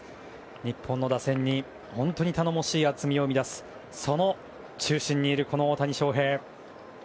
日本の打線に本当に頼もしい厚みを生み出すその中心にいる大谷翔平。